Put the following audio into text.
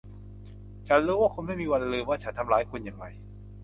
ฉันรู้ว่าคุณไม่มีวันลืมว่าฉันทำร้ายคุณอย่างไร